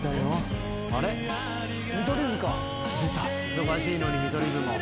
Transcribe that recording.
忙しいのに見取り図も。